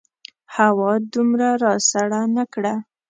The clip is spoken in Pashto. هوا دومره راسړه نه کړه.